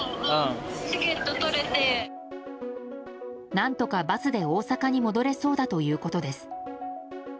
何とかバスで大阪に戻れそうだということです。